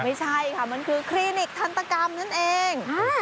ไม่ใช่ค่ะมันคือคลินิกทันตกรรมนั่นเอง